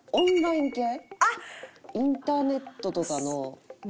インターネットとかの。